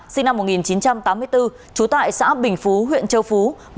sinh năm một nghìn chín trăm tám mươi bốn trú tại xã bình phú huyện châu phú